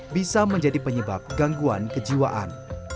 bisa menjadi penyebab gangguan kejiwaan